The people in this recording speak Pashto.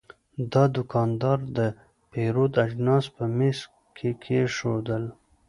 دا دوکاندار د پیرود اجناس په میز کې کېښودل.